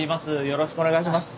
よろしくお願いします。